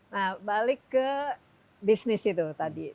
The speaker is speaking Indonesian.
nah balik ke bisnis itu tadi